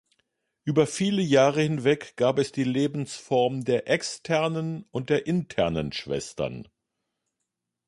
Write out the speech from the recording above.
Über viele Jahre hinweg gab es die Lebensform der "externen" und der "internen" Schwestern.